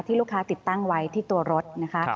ลูกค้าติดตั้งไว้ที่ตัวรถนะคะ